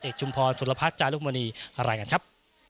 ก็ทางกายดีครับค่อยนี้ครับ